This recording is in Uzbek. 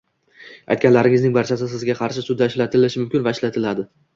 Aytganlaringizning barchasi sizga qarshi sudda ishlatilishi mumkin va ishlatiladi».